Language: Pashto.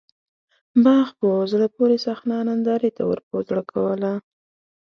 باغ په زړه پورې صحنه نندارې ته ورپه زړه کوله.